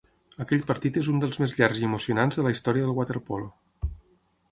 Aquell partit és un dels més llargs i emocionants de la història del waterpolo.